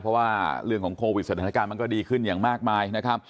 เพราะว่าเรื่องของโควิดสถานการณ์มันก็ดีขึ้นอย่างมากมายนะครับ